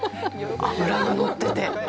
脂が乗ってて。